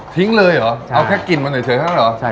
ทิ้งเลยหรอใช่เอาแค่กลิ่นมาหน่อยเฉยหรือ